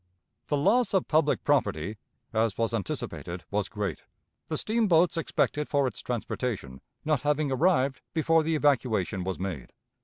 The loss of public property, as was anticipated, was great, the steamboats expected for its transportation not having arrived before the evacuation was made.